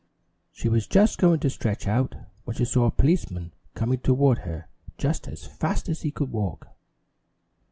She was just going to stretch out, when she saw a policeman coming toward her just as fast as he could walk.